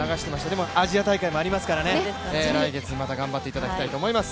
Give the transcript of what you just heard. でもアジア大会もありますからね、来月また頑張っていただきたいと思います。